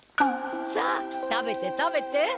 さあ食べて食べて。